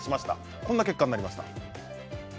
こんな結果になりました。